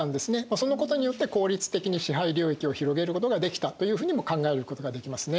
そのことによって効率的に支配領域を広げることができたというふうにも考えることができますね。